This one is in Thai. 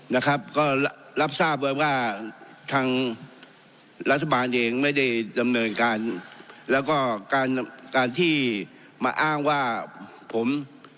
นะครับก็รับทราบไว้ว่าทางรัฐบาลเองไม่ได้ดำเนินการแล้วก็การการที่มาอ้างว่าผม